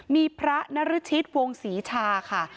มีพระนรชิตวงศรีชาค่ะ